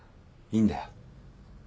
いいんだよ。